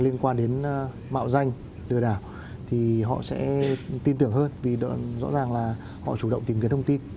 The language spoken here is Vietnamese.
nó sẽ tin tưởng hơn vì rõ ràng là họ chủ động tìm kiếm thông tin